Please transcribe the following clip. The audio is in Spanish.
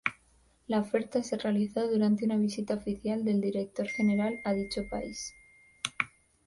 La oferta se realizó durante una visita oficial del Director General a dicho país.